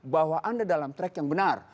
bahwa anda dalam track yang benar